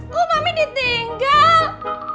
kok mami ditinggal